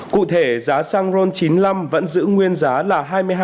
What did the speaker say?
cụ thể giá xăng ron chín mươi năm vẫn giữ nguyên giá là hai mươi hai một trăm năm mươi năm